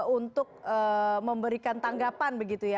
untuk memberikan tanggapan begitu ya